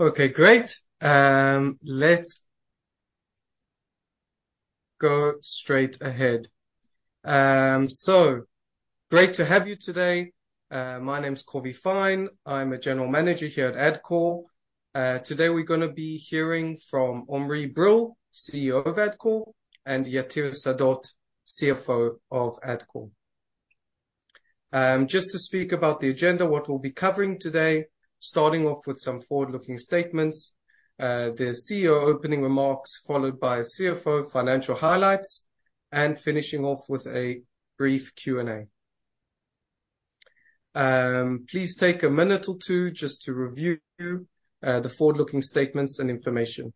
Okay, great. Let's go straight ahead. Great to have you today. My name is Kovi Fine. I'm a General Manager here at Adcore. Today, we're gonna be hearing from Omri Brill, CEO of Adcore, and Yatir Sadot, CFO of Adcore. Just to speak about the agenda, what we'll be covering today, starting off with some forward-looking statements, the CEO opening remarks, followed by CFO financial highlights, and finishing off with a brief Q&A. Please take a minute or two just to review the forward-looking statements and information.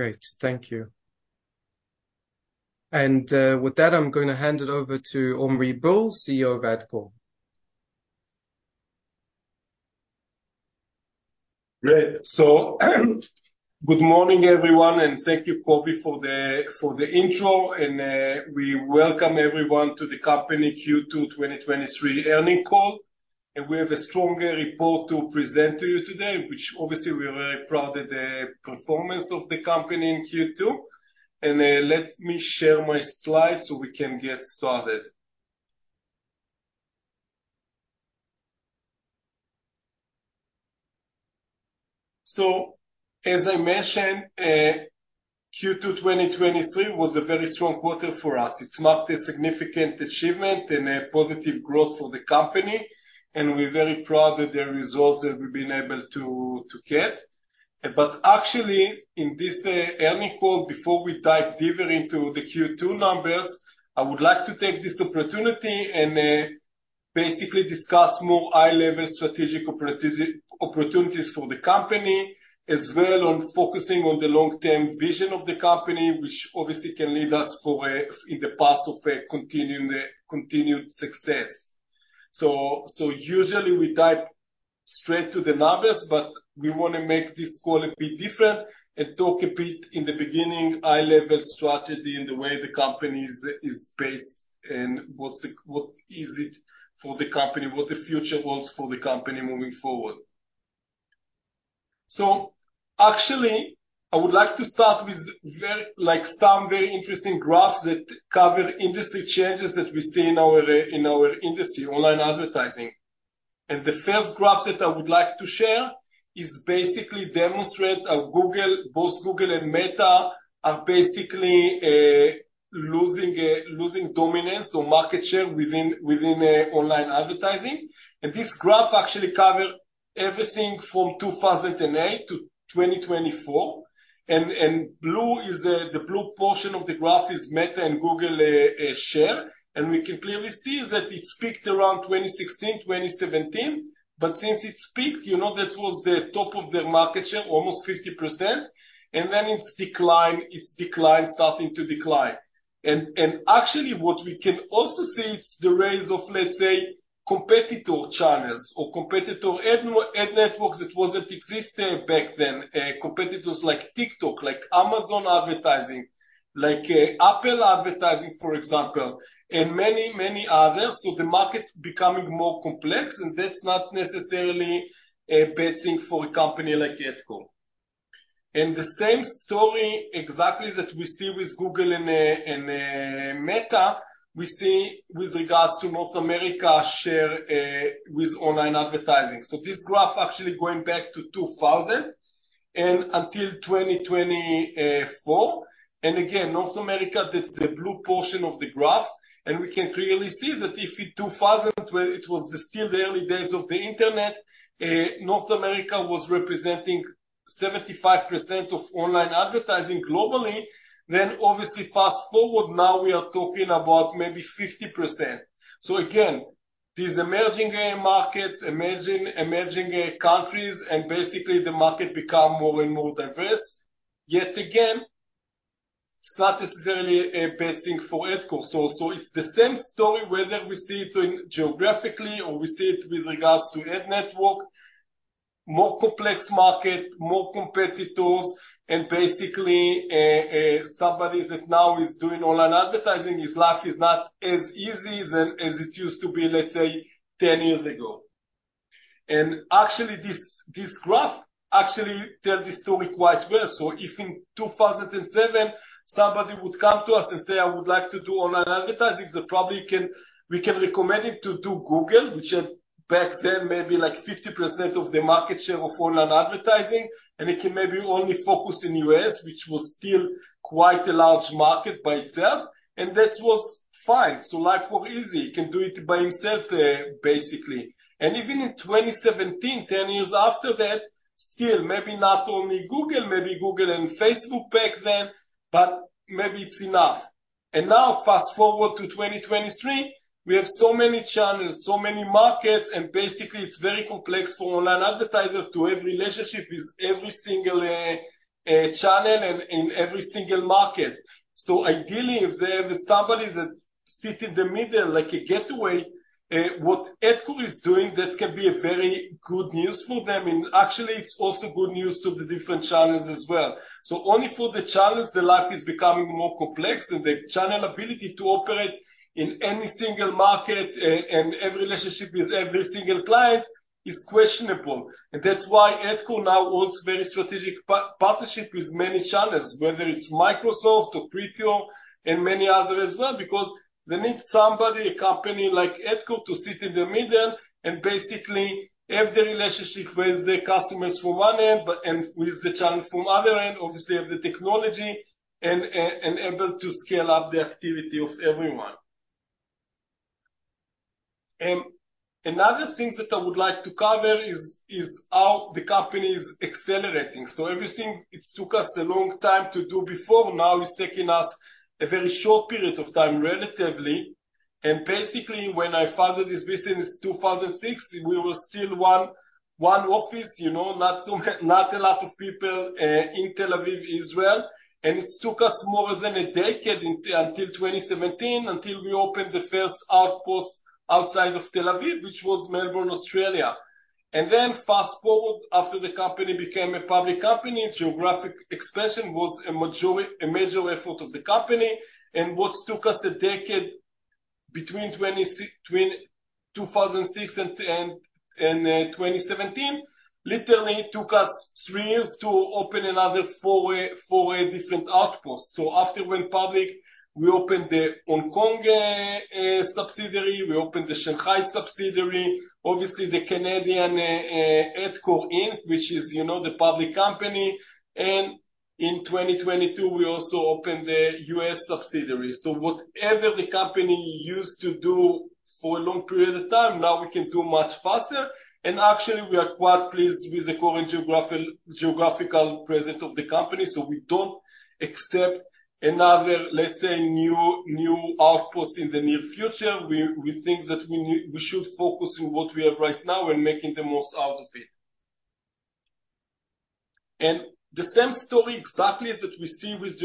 Great. Thank you. With that, I'm going to hand it over to Omri Brill, CEO of Adcore. Great. Good morning, everyone, and thank you, Kovi, for the, for the intro, and we welcome everyone to the company Q2 2023 earning call. We have a stronger report to present to you today, which obviously we are very proud of the performance of the company in Q2. Let me share my slides so we can get started. As I mentioned, Q2 2023 was a very strong quarter for us. It marked a significant achievement and a positive growth for the company, and we're very proud of the results that we've been able to, to get. Actually, in this earning call, before we dive deeper into the Q2 numbers, I would like to take this opportunity and basically discuss more high-level strategic opportunities for the company, as well on focusing on the long-term vision of the company, which obviously can lead us for in the path of a continuing, continued success. Usually we dive straight to the numbers, but we want to make this call a bit different and talk a bit in the beginning, high-level strategy and the way the company is, is based, and what is it for the company, what the future holds for the company moving forward. Actually, I would like to start with like some very interesting graphs that cover industry changes that we see in our industry, online advertising. The first graph that I would like to share is basically demonstrate how Google, both Google and Meta, are basically losing losing dominance or market share within online advertising. This graph actually cover everything from 2008 to 2024. The blue portion of the graph is Meta and Google share. We can clearly see is that it's peaked around 2016, 2017, but since it's peaked, you know, that was the top of their market share, almost 50%, then it's declined. It's declined, starting to decline. Actually, what we can also see, it's the rise of, let's say, competitor channels or competitor ad networks that wasn't existing back then. Competitors like TikTok, like Amazon Advertising, like Apple Advertising, for example, and many, many others. The market becoming more complex, and that's not necessarily a bad thing for a company like Adcore. The same story exactly that we see with Google and Meta, we see with regards to North America share with online advertising. This graph actually going back to 2000 and until 2024. Again, North America, that's the blue portion of the graph, and we can clearly see that if in 2000. It was still the early days of the internet, North America was representing 75% of online advertising globally. Obviously, fast-forward, now we are talking about maybe 50%. Again, these emerging markets, emerging countries, and basically the market become more and more diverse. Again, it's not necessarily a bad thing for Adcore. It's the same story, whether we see it in geographically or we see it with regards to ad network, more complex market, more competitors, and basically, somebody that now is doing online advertising, his life is not as easy than as it used to be, let's say, 10 years ago. Actually, this, this graph actually tell the story quite well. If in 2007, somebody would come to us and say, "I would like to do online advertising," so probably we can recommend him to do Google, which had back then, maybe like 50% of the market share of online advertising. He can maybe only focus in U.S., which was still quite a large market by itself, and that was fine. Life was easy. He can do it by himself, basically. Even in 2017, 10 years after that, still, maybe not only Google, maybe Google and Facebook back then, but maybe it's enough. Now fast forward to 2023, we have so many channels, so many markets, and basically it's very complex for online advertisers to have relationship with every single channel and in every single market. Ideally, if they have somebody that sit in the middle, like a gateway, what Adcore is doing, that can be a very good news for them, and actually it's also good news to the different channels as well. Only for the channels, the life is becoming more complex, and the channel ability to operate in any single market, and every relationship with every single client is questionable. That's why Adcore now holds very strategic partnership with many channels, whether it's Microsoft or Criteo and many other as well, because they need somebody, a company like Adcore, to sit in the middle and basically have the relationship with the customers from one end, but, and with the channel from other end, obviously, have the technology and able to scale up the activity of everyone. Another things that I would like to cover is, is how the company is accelerating. Everything it's took us a long time to do before, now is taking us a very short period of time, relatively. Basically, when I founded this business in 2006, we were still one, one office, you know, not so, not a lot of people in Tel Aviv, Israel. It took us more than a decade until, until 2017, until we opened the first outpost outside of Tel Aviv, which was Melbourne, Australia. Then fast forward, after the company became a public company, geographic expansion was a major, a major effort of the company. What took us a decade between 2006 and 2017, literally took us three years to open another four way, four way different outposts. After went public, we opened the Hong Kong subsidiary, we opened the Shanghai subsidiary, obviously the Canadian Adcore Inc., which is, you know, the public company. In 2022, we also opened the U.S. subsidiary. Whatever the company used to do for a long period of time, now we can do much faster. Actually, we are quite pleased with the current geographical, geographical presence of the company, so we don't accept another, let's say, new, new outpost in the near future. We, we think that we should focus on what we have right now and making the most out of it. The same story exactly as that we see with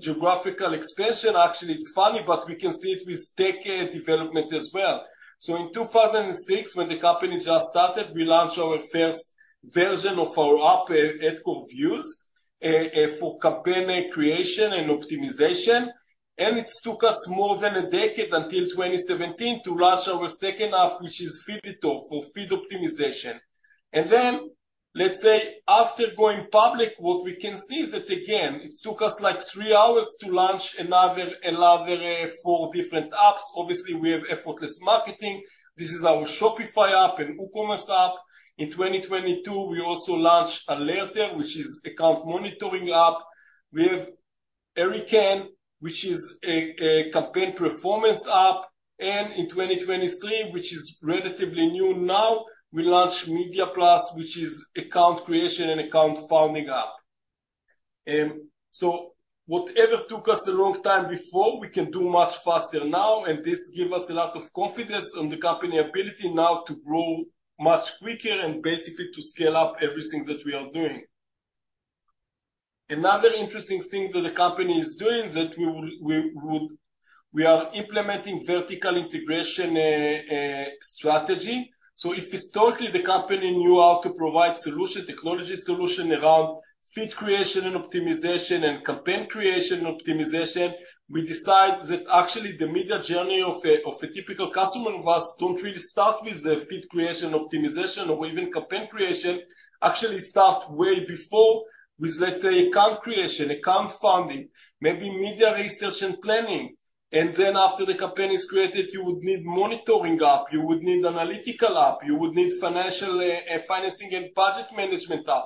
geographical expansion, actually, it's funny, but we can see it with tech development as well. In 2006, when the company just started, we launched our 1st version of our app, Adcore Views, for campaign creation and optimization. It took us more than a decade, until 2017, to launch our 2nd half, which is Feeditor, for feed optimization. Let's say, after going public, what we can see is that, again, it took us, like, three hours to launch another, another, four different apps. Obviously, we have Effortless Marketing. This is our Shopify app and WooCommerce app. In 2022, we also launched Alerter, which is account monitoring app. We have Erican, which is a campaign performance app, and in 2023, which is relatively new now, we launched Media Blast, which is account creation and account funding app. Whatever took us a long time before, we can do much faster now, and this give us a lot of confidence on the company ability now to grow much quicker and basically to scale up everything that we are doing. Another interesting thing that the company is doing is that we would, we are implementing vertical integration, strategy. If historically the company knew how to provide solution, technology solution around feed creation and optimization, and campaign creation and optimization, we decide that actually the media journey of a, of a typical customer of us don't really start with the feed creation optimization or even campaign creation. Actually, it start way before with, let's say, account creation, account funding, maybe media research and planning. Then after the campaign is created, you would need monitoring app, you would need analytical app, you would need financial financing and budget management app.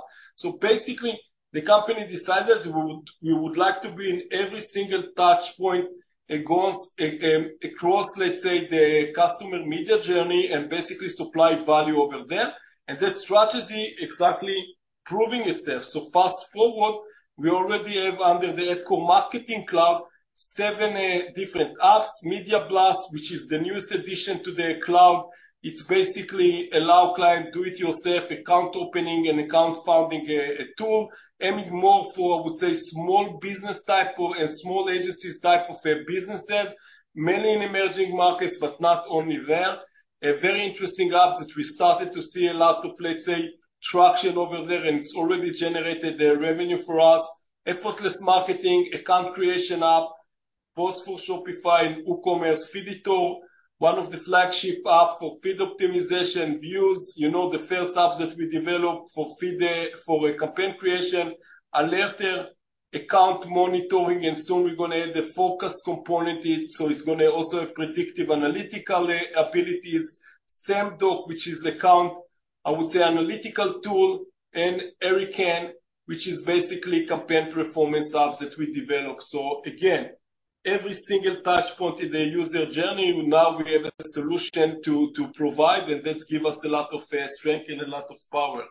Basically, the company decided we would, we would like to be in every single touch point across, across, let's say, the customer media journey and basically supply value over there. That strategy exactly proving itself. Fast forward, we already have under the Adcore Marketing Cloud, seven different apps. Media Blast, which is the newest addition to the cloud. It's basically allow client do-it-yourself account opening and account funding tool, aimed more for, I would say, small business type of and small agencies type of businesses, mainly in emerging markets, but not only there. A very interesting app that we started to see a lot of, let's say, traction over there, and it's already generated revenue for us. Effortless Marketing, account creation app, both for Shopify and WooCommerce. Feeditor, one of the flagship app for feed optimization. Views, you know, the first app that we developed for feed for campaign creation. Alerter, account monitoring, and soon we're gonna add the focus component it, so it's gonna also have predictive analytical abilities. Semdoc, which is account, I would say, analytical tool, and Erican, which is basically campaign performance apps that we developed. So again every single touch point in the user journey, now we have a solution to provide, and that's give us a lot of strength and a lot of power.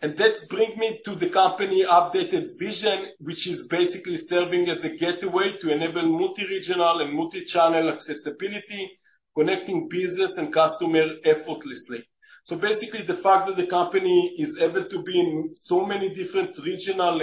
That's bring me to the company updated vision, which is basically serving as a gateway to enable multi-regional and multi-channel accessibility, connecting business and customer effortlessly. Basically, the fact that the company is able to be in so many different regional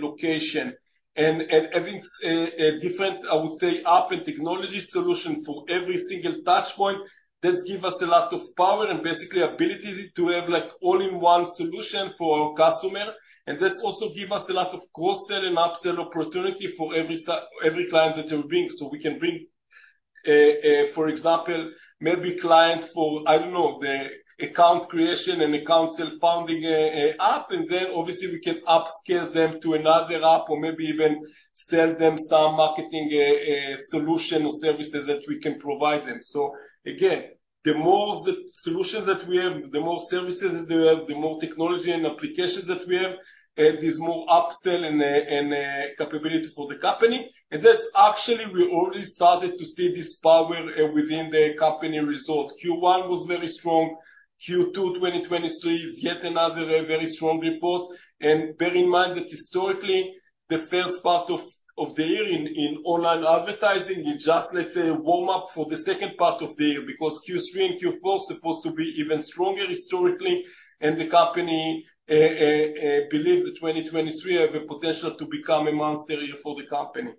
location, and having a different, I would say, app and technology solution for every single touch point, that give us a lot of power and basically ability to have, like, all-in-one solution for our customer. That's also give us a lot of cross-sell and upsell opportunity for every client that we bring. We can bring, for example, maybe client for, I don't know, the account creation and account sell founding, app, and then obviously we can upscale them to another app or maybe even sell them some marketing, solution or services that we can provide them. Again, the more the solutions that we have, the more services that we have, the more technology and applications that we have, there's more upsell and, and, capability for the company. That's actually, we already started to see this power, within the company result. Q1 was very strong. Q2 2023 is yet another, very strong report. Bear in mind that historically, the first part of the year in online advertising, you just, let's say, warm up for the second part of the year, because Q3 and Q4 supposed to be even stronger historically, and the company believe that 2023 have a potential to become a monster year for the company.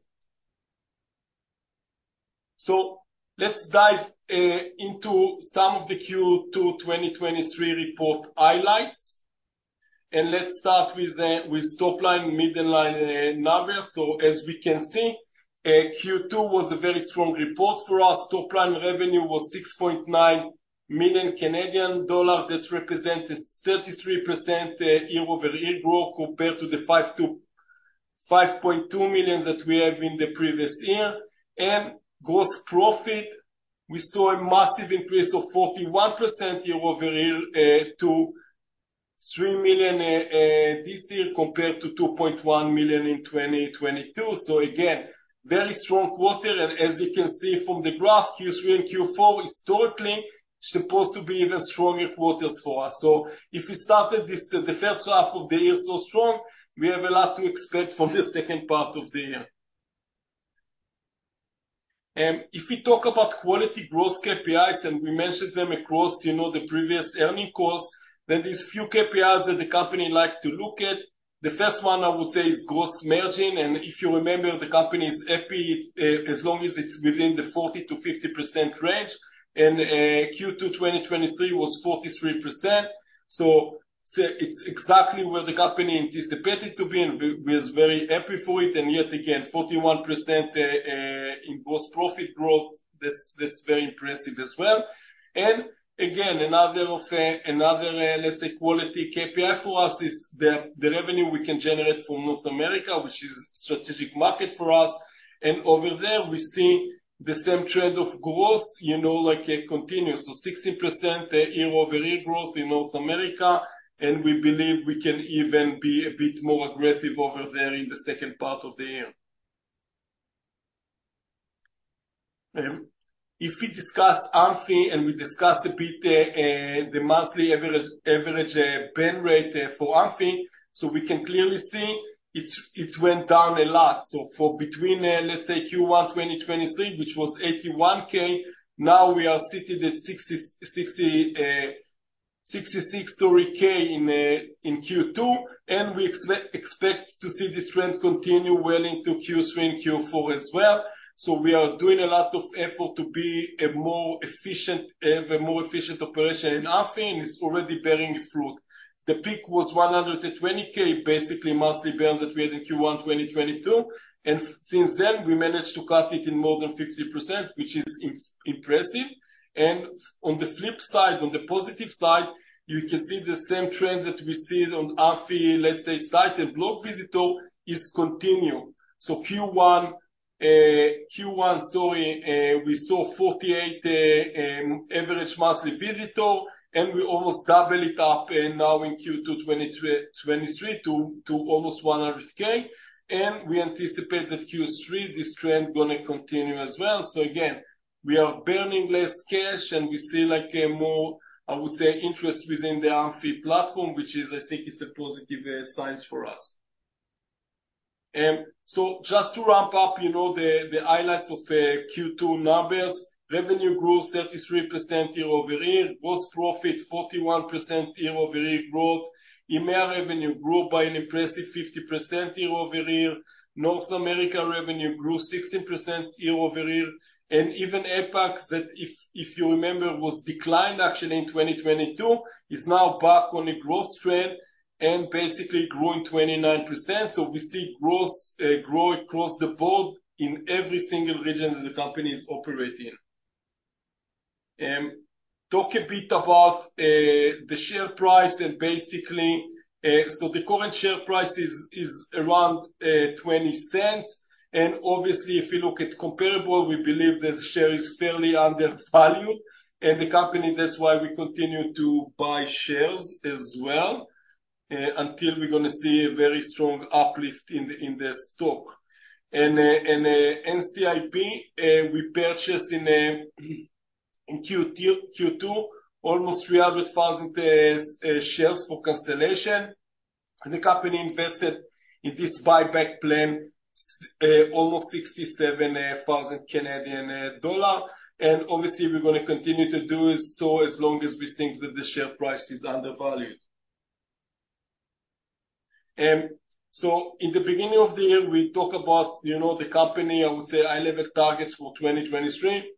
Let's dive into some of the Q2 2023 report highlights, and let's start with the top line, middle line numbers. As we can see, Q2 was a very strong report for us. Top line revenue was 6.9 million Canadian dollars. That's represented 33% year-over-year growth compared to the 5.2 million that we have in the previous year. Gross profit, we saw a massive increase of 41% year-over-year to 3 million this year, compared to 2.1 million in 2022. Again, very strong quarter, and as you can see from the graph, Q3 and Q4, historically, supposed to be even stronger quarters for us. If we started this, the first half of the year so strong, we have a lot to expect from the second part of the year. If we talk about quality growth KPIs, and we mentioned them across, you know, the previous earning calls, then these few KPIs that the company like to look at. The first one, I would say, is gross margin, and if you remember, the company is happy as long as it's within the 40%-50% range, and Q2 2023 was 43%. It's exactly where the company anticipated to be, and we, we're very happy for it. Yet again, 41% in gross profit growth, that's, that's very impressive as well. Again, another of, another, let's say, quality KPI for us is the, the revenue we can generate from North America, which is a strategic market for us. Over there, we see the same trend of growth, you know, like, continuous. 16% year-over-year growth in North America, and we believe we can even be a bit more aggressive over there in the second part of the year. If we discuss AMFI, and we discussed a bit, the monthly average, average, burn rate, for AMFI, we can clearly see it's, it's went down a lot. For between, let's say Q1 2023, which was 81K, now we are sitting at 66K in Q2, and we expect to see this trend continue well into Q3 and Q4 as well. We are doing a lot of effort to be a more efficient, a more efficient operation, and AMFI is already bearing fruit. The peak was 120K, basically monthly burn that we had in Q1 2022, and since then, we managed to cut it in more than 50%, which is impressive. On the flip side, on the positive side, you can see the same trends that we see on AMFI, let's say, site and blog visitor, is continue. Q1, we saw 48 average monthly visitor, and we almost double it up, and now in Q2 2023 to almost 100K. We anticipate that Q3, this trend gonna continue as well. Again, we are burning less cash, and we see, like, a more, I would say, interest within the AMFI platform, which is, I think it's a positive signs for us. Just to wrap up, you know, the highlights of Q2 numbers. Revenue grew 33% year-over-year. Gross profit, 41% year-over-year growth. Email revenue grew by an impressive 50% year-over-year. North America revenue grew 16% year-over-year. Even APAC, that if, if you remember, was declined actually in 2022, is now back on a growth trend and basically growing 29%. We see growth, grow across the board in every single region that the company is operating in. Talk a bit about the share price and basically, so the current share price is, is around 0.20. Obviously, if you look at comparable, we believe that the share is fairly undervalued, and the company, that's why we continue to buy shares as well, until we're gonna see a very strong uplift in, in the stock. NCIB, we purchased in Q2, almost 300,000 shares for constellation. The company invested in this buyback plan, almost 67,000 Canadian dollar. Obviously, we're gonna continue to do so as long as we think that the share price is undervalued. In the beginning of the year, we talk about, you know, the company, I would say, high-level targets for 2023.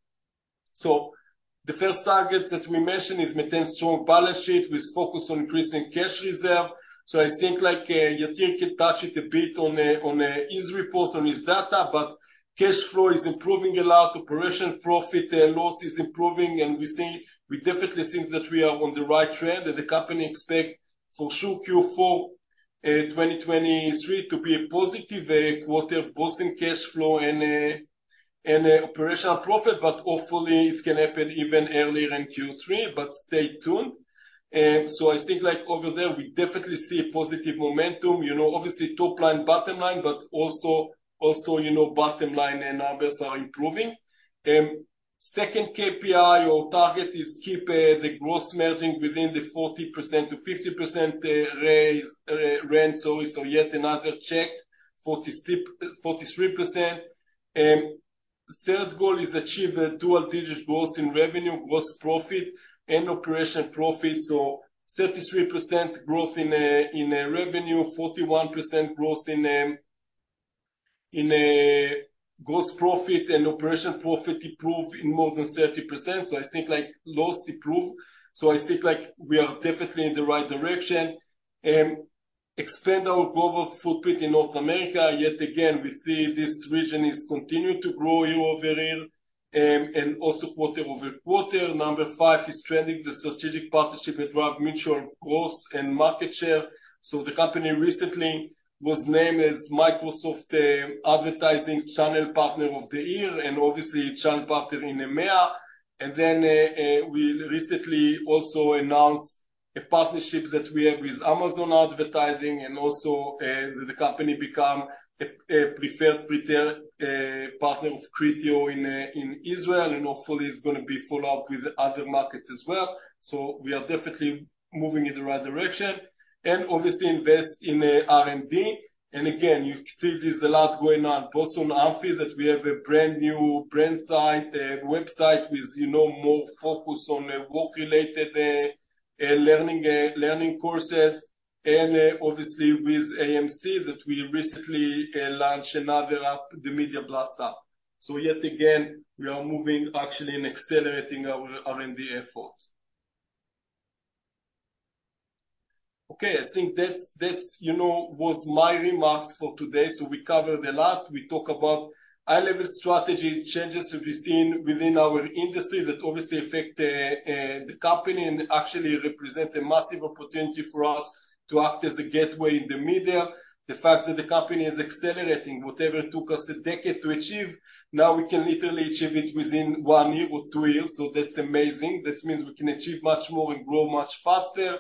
The first target that we mentioned is maintain strong balance sheet with focus on increasing cash reserve. I think, like, Yatir can touch it a bit on his report, on his data, but cash flow is improving a lot. Operational profit and loss is improving, and we definitely think that we are on the right trend, and the company expect for sure Q4 2023 to be a positive quarter, boosting cash flow and operational profit, but hopefully it can happen even earlier than Q3. Stay tuned. I think like over there, we definitely see a positive momentum, you know, obviously, top line, bottom line, but also, also, you know, bottom line and numbers are improving. Second KPI or target is keep the gross margin within the 40%-50% range. Yet another check, 43%. Third goal is achieve a dual-digit growth in revenue, gross profit, and operational profit. 33% growth in revenue, 41% growth in gross profit and operational profit improved in more than 30%. I think, like, loss improve. I think, like, we are definitely in the right direction. Expand our global footprint in North America. Yet again, we see this region is continuing to grow year-over-year, and also quarter-over-quarter. Number 5 is strengthening the strategic partnership that drive mutual growth and market share. The company recently was named as Microsoft Advertising Global Channel Partner of the Year, and obviously, Channel Partner in EMEA. We recently also announced a partnership that we have with Amazon Advertising, and also, the company become a preferred retail partner of Criteo in Israel, and hopefully it's gonna be followed up with other markets as well. We are definitely moving in the right direction. Obviously invest in R&D. Again, you see there's a lot going on, both on Amphy, that we have a brand new brand site, website with, you know, more focus on work-related learning courses, and obviously with AMC, that we recently launched another app, the Media Blast app. Yet again, we are moving actually and accelerating our R&D efforts. I think that's, you know, was my remarks for today. We covered a lot. We talk about high-level strategy, changes that we've seen within our industry that obviously affect the company and actually represent a massive opportunity for us to act as a gateway in the media. The fact that the company is accelerating, whatever it took us a decade to achieve, now we can literally achieve it within one year or two years. That's amazing. That means we can achieve much more and grow much faster.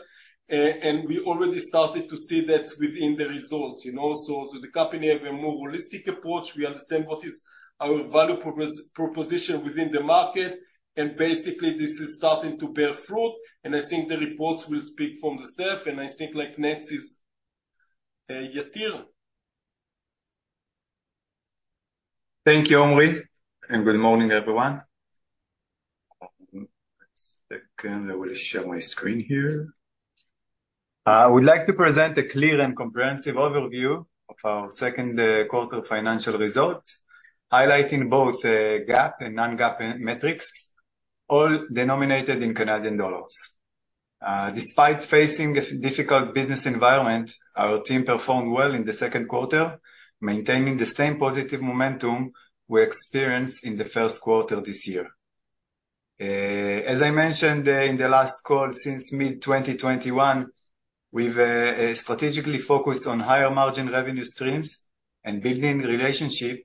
We already started to see that within the results, you know? The company have a more holistic approach. We understand what is our value proposition within the market, basically, this is starting to bear fruit, I think the reports will speak for themselves, I think, like, next is Yatir. Thank you, Omri and good morning, everyone. One second, I will share my screen here. I would like to present a clear and comprehensive overview of our second quarter financial results, highlighting both GAAP and non-GAAP metrics, all denominated in Canadian dollars. Despite facing a difficult business environment, our team performed well in the second quarter, maintaining the same positive momentum we experienced in the first quarter this year. As I mentioned in the last call, since mid-2021, we've strategically focused on higher margin revenue streams and building relationship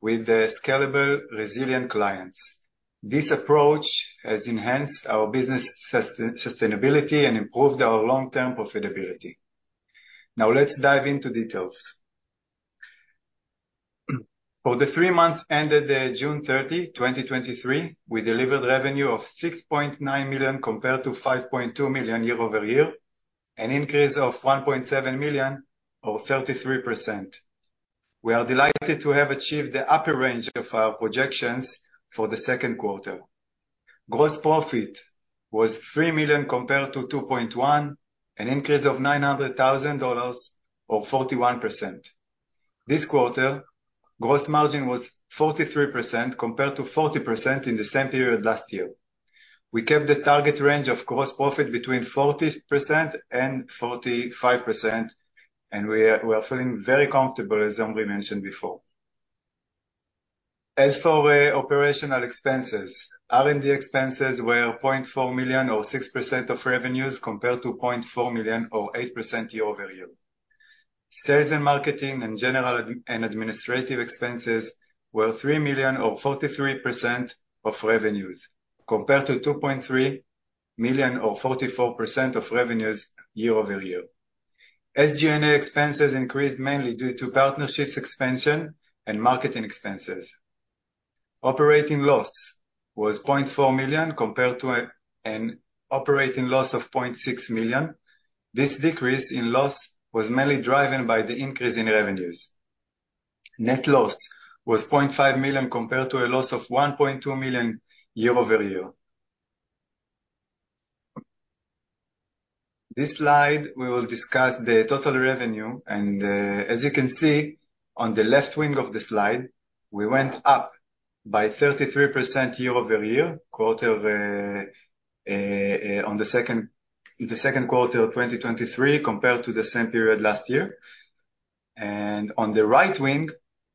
with the scalable, resilient clients. This approach has enhanced our business sustainability and improved our long-term profitability. Now, let's dive into details. For the three months ended June 30, 2023 we delivered revenue of 6.9 million compared to 5.2 million year-over-year, an increase of 1.7 million or 33%. We are delighted to have achieved the upper range of our projections for the second quarter. Gross profit was 3 million compared to 2.1 million, an increase of 900,000 dollars or 41%. This quarter, gross margin was 43% compared to 40% in the same period last year. We kept the target range of gross profit between 40%-45%, and we are, we are feeling very comfortable, as Omri mentioned before. As for operational expenses, R&D expenses were 0.4 million or 6% of revenues compared to 0.4 million or 8% year-over-year. Sales and marketing and general and administrative expenses were 3 million or 43% of revenues, compared to 2.3 million or 44% of revenues year-over-year. SG&A expenses increased mainly due to partnerships expansion and marketing expenses. Operating loss was 0.4 million compared to an operating loss of 0.6 million. This decrease in loss was mainly driven by the increase in revenues. Net loss was 0.5 million compared to a loss of 1.2 million year-over-year. This slide, we will discuss the total revenue. As you can see on the left wing of the slide, we went up by 33% year-over-year, on the second, the second quarter of 2023 compared to the same period last year. On the right wing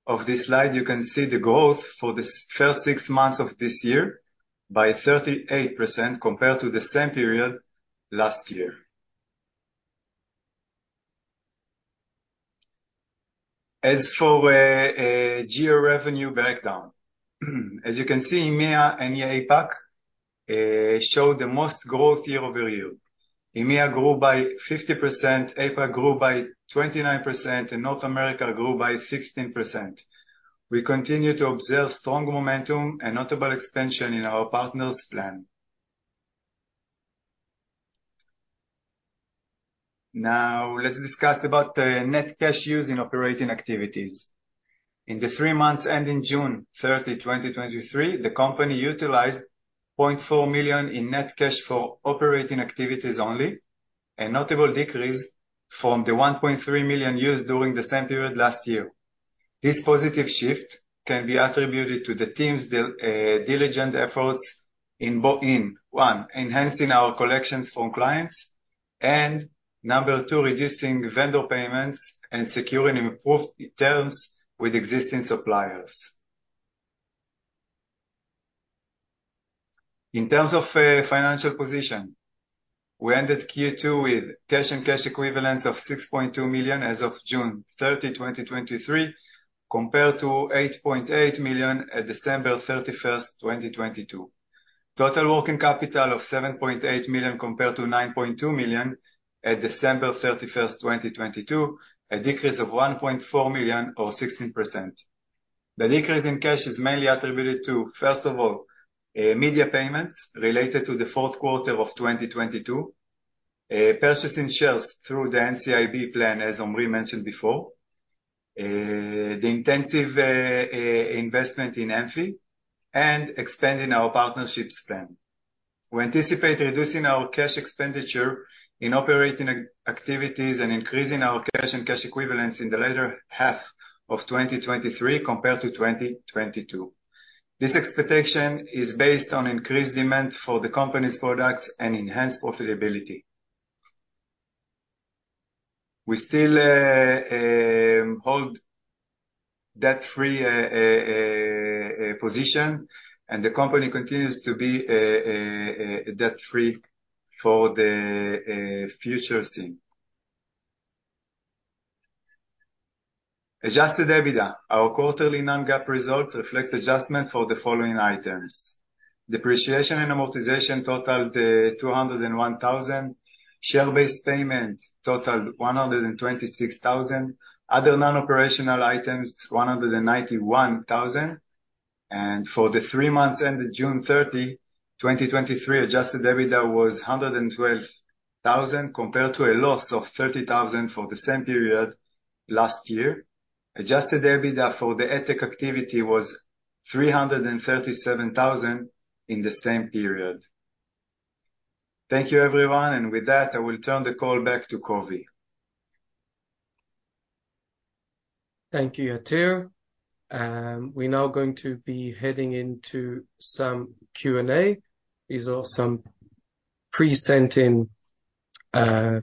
of this slide, you can see the growth for this first six months of this year by 38% compared to the same period last year. As for a geo revenue breakdown, as you can see, EMEA and APAC showed the most growth year-over-year. EMEA grew by 50%, APAC grew by 29%, and North America grew by 16%. We continue to observe strong momentum and notable expansion in our partners plan. Now, let's discuss about net cash used in operating activities. In the three months, ending June 30, 2023, the company utilized 0.4 million in net cash for operating activities only, a notable decrease from the 1.3 million used during the same period last year. This positive shift can be attributed to the team's diligent efforts in, one, enhancing our collections from clients, and number, reducing vendor payments and securing improved terms with existing suppliers. In terms of financial position, we ended Q2 with cash and cash equivalents of 6.2 million as of June 30, 2023, compared to 8.8 million at December 31, 2022. Total working capital of 7.8 million compared to 9.2 million at December 31, 2022, a decrease of 1.4 million or 16%. The decrease in cash is mainly attributed to, first of all, media payments related to the 4th quarter of 2022, purchasing shares through the NCIB plan, as Omri mentioned before, the intensive investment in Amphy, and expanding our partnerships plan. We anticipate reducing our cash expenditure in operating activities and increasing our cash and cash equivalents in the latter half of 2023 compared to 2022. This expectation is based on increased demand for the company's products and enhanced profitability. We still hold debt-free position, and the company continues to be debt-free for the future scene. Adjusted EBITDA, our quarterly non-GAAP results reflect adjustment for the following items: depreciation and amortization totaled 201,000, share-based payment totaled 126,000, other non-operational items, 191,000. For the three months ended June 30, 2023, Adjusted EBITDA was 112,000, compared to a loss of 30,000 for the same period last year. Adjusted EBITDA for the AdTech activity was 337,000 in the same period. Thank you, everyone. With that I will turn the call back to Kovi. Thank you, Yatir. We're now going to be heading into some Q&A. These are some pre-sent in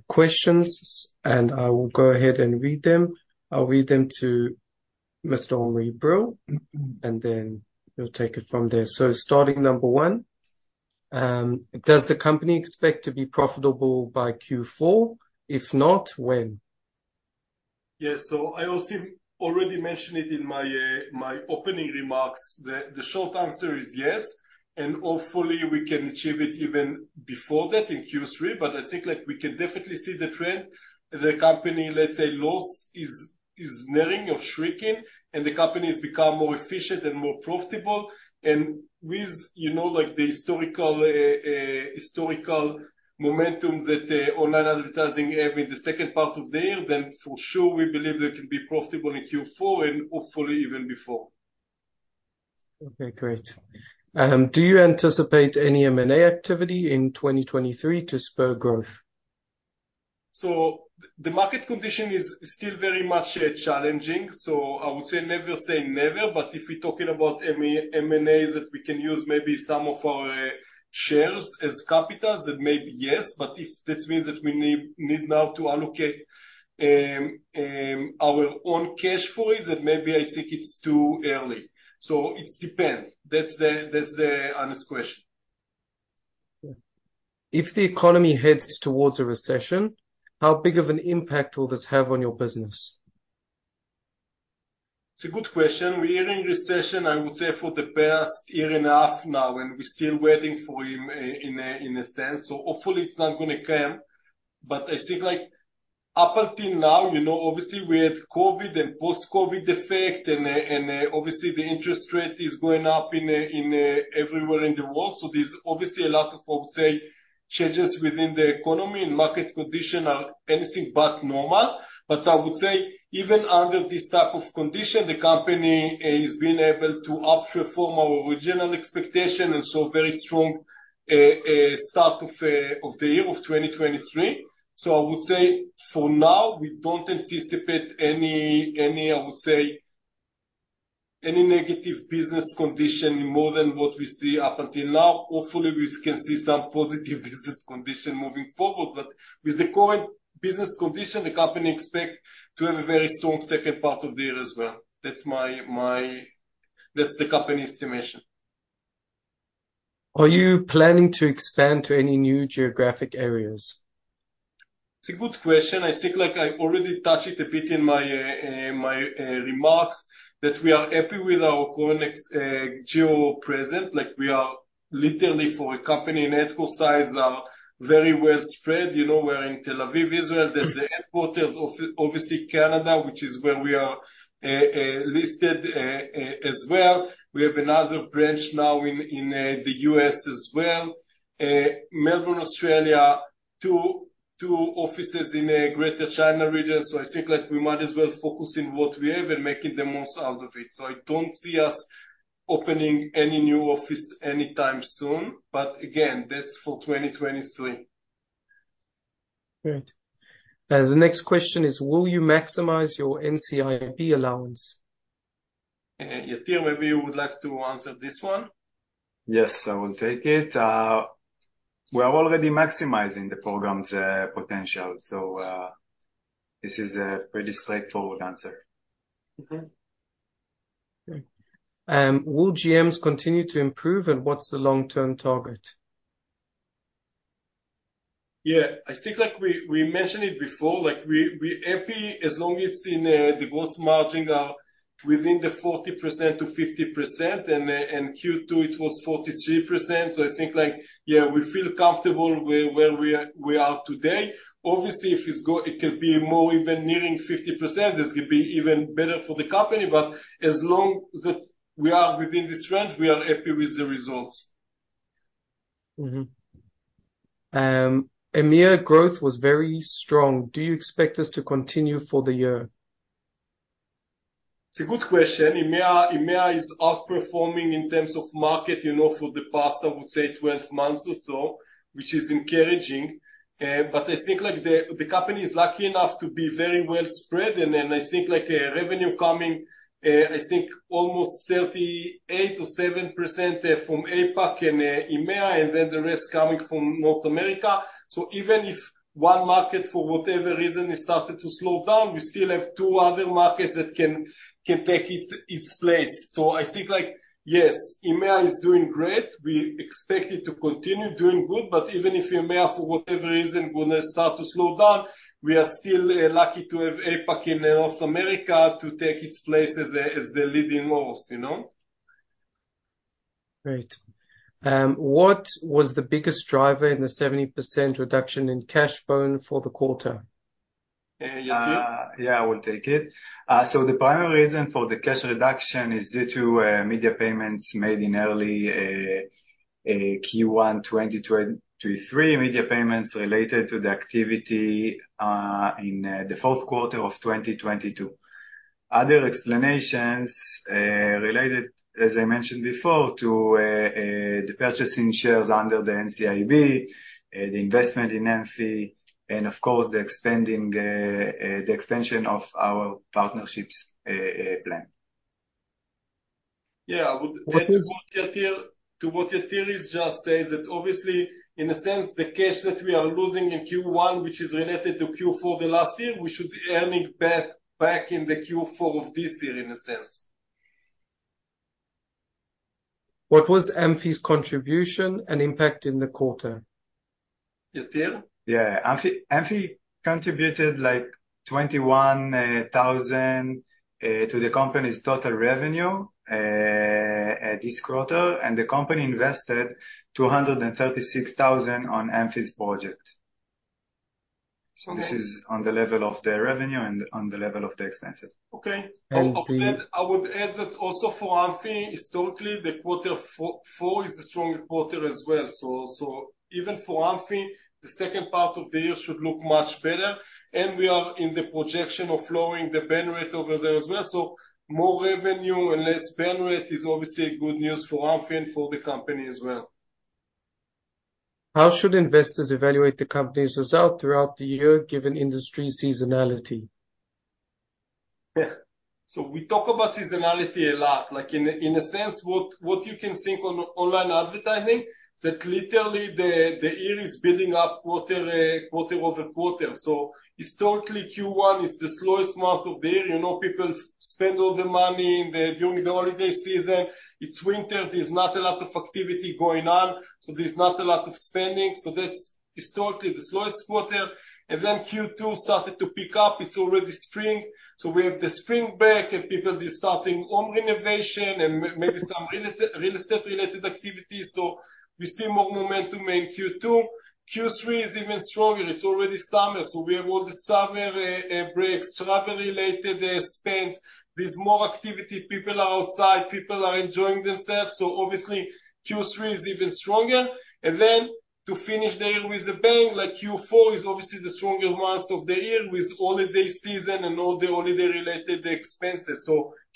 questions, and I will go ahead and read them. I'll read them to Mr. Omri Brill, and then he'll take it from there. So starting number one, does the company expect to be profitable by Q4? If not, when? Yes. I also already mentioned it in my, my opening remarks, the, the short answer is yes, and hopefully we can achieve it even before that in Q3, but I think, like, we can definitely see the trend. The company, let's say, loss is, is narrowing or shrinking, and the company has become more efficient and more profitable. With, you know, like, the historical, historical momentum that online advertising have in the second part of the year, for sure, we believe they can be profitable in Q4 and hopefully even before. Okay, great. Do you anticipate any M&A activity in 2023 to spur growth? The market condition is, is still very much challenging, I would say never say never, if we're talking about M&A that we can use, maybe some of our shares as capitals, then maybe yes, if this means that we need, need now to allocate our own cash for it, then maybe I think it's too early. It's depend. That's the, that's the honest question. If the economy heads towards a recession, how big of an impact will this have on your business? It's a good question. We are in recession, I would say, for the past year and a half now. We're still waiting for him, in a, in a sense, so hopefully it's not gonna come. I think, like, up until now, you know, obviously, we had COVID and post-COVID effect, and obviously, the interest rate is going up in everywhere in the world. There's obviously a lot of, I would say, changes within the economy, and market condition are anything but normal. I would say, even under this type of condition, the company, has been able to outperform our original expectation, and so very strong, start of the year of 2023. I would say, for now, we don't anticipate any, any, I would say, any negative business condition more than what we see up until now. Hopefully, we can see some positive business condition moving forward. With the current business condition, the company expect to have a very strong second part of the year as well. That's the company's estimation. Are you planning to expand to any new geographic areas? It's a good question. I think, like, I already touched it a bit in my, my remarks, that we are happy with our current geo presence. Like, we are literally, for a company in headquarter size, are very well spread. You know, we're in Tel Aviv, Israel. There's the headquarters of, obviously, Canada, which is where we are listed as well. We have another branch now in the U.S. as well, Melbourne, Australia, two offices in Greater China region. I think, like, we might as well focus in what we have and making the most out of it. I don't see us opening any new office anytime soon, but again, that's for 2023. Great. The next question is, will you maximize your NCIB allowance? Yatir, maybe you would like to answer this one? Yes, I will take it. We are already maximizing the program's potential, so, this is a pretty straightforward answer. Okay. Great. Will GMs continue to improve, and what's the long-term target? Yeah, I think, like, we, we mentioned it before, like, we, we're happy as long it's in, the gross margin are within the 40%-50%, and in Q2 it was 43%. I think, like, yeah, we feel comfortable where, where we are, we are today. Obviously, if it can be more even nearing 50%, this could be even better for the company, but as long as that we are within this range, we are happy with the results. Mm-hmm. EMEA growth was very strong. Do you expect this to continue for the year? It's a good question. EMEA is outperforming in terms of market, you know, for the past, I would say, 12 months or so, which is encouraging. I think, like, the, the company is lucky enough to be very well spread, and then I think, like, revenue coming, I think almost 38% or 7%, from APAC and EMEA, and then the rest coming from North America. Even if one market, for whatever reason, it started to slow down, we still have two other markets that can, can take its, its place. I think like, yes, EMEA is doing great. We expect it to continue doing good, but even if EMEA, for whatever reason, gonna start to slow down, we are still lucky to have APAC in North America to take its place as the, as the leading horse, you know? Great. What was the biggest driver in the 70% reduction in cash burn for the quarter? Yatir? Yeah, I will take it. The primary reason for the cash reduction is due to media payments made in early Q1 2023. Media payments related to the activity in the fourth quarter of 2022. Other explanations related, as I mentioned before, to the purchasing shares under the NCIB, the investment in Amphy, and of course, the expanding the extension of our partnerships plan. Yeah. What is-- To what Yatir, to what Yatir is just saying, that obviously, in a sense, the cash that we are losing in Q1, which is related to Q4 the last year, we should be earning back, back in the Q4 of this year, in a sense. What was Amphi's contribution and impact in the quarter? Yatir? Yeah. Amphy contributed, like, 21,000 to the company's total revenue at this quarter, and the company invested 236,000 on Amphy's project. So- This is on the level of the revenue and on the level of the expenses. Okay. And the- I would add that also for Amphy, historically, the quarter four is the stronger quarter as well. Even for Amphy, the second part of the year should look much better, and we are in the projection of lowering the burn rate over there as well. More revenue and less burn rate is obviously a good news for Amphy and for the company as well. How should investors evaluate the company's result throughout the year, given industry seasonality? Yeah. We talk about seasonality a lot, like in a, in a sense, what, what you can think on online advertising, that literally the, the year is building up quarter-over-quarter. Historically, Q1 is the slowest month of the year. You know, people spend all the money in the, during the holiday season. It's winter, there's not a lot of activity going on, so there's not a lot of spending. That's historically the slowest quarter. Q2 started to pick up. It's already spring, so we have the spring break and people is starting home renovation and maybe some real estate-related activities, so we see more momentum in Q2. Q3 is even stronger. It's already summer, so we have all the summer breaks, travel-related spends. There's more activity, people are outside, people are enjoying themselves, so obviously, Q3 is even stronger. Then, to finish the year with the bang, like Q4, is obviously the stronger months of the year, with holiday season and all the holiday-related expenses.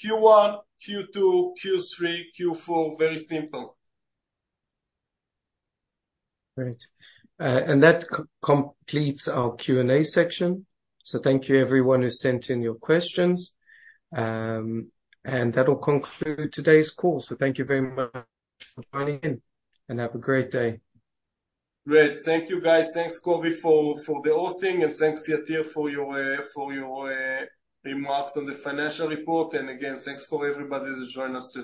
Q1, Q2, Q3, Q4, very simple. Great. That completes our Q&A section. Thank you everyone who sent in your questions. That will conclude today's call. Thank you very much for joining in, and have a great day. Great. Thank you, guys. Thanks, Kovi, for, for the hosting, and thanks, Yatir, for your, for your, remarks on the financial report. Again, thanks for everybody to join us today.